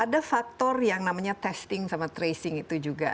ada faktor yang namanya testing sama tracing itu juga